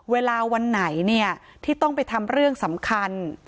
เวลาวันไหนเนี่ยที่ต้องไปทำเรื่องสำคัญ